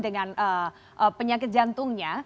dengan penyakit jantungnya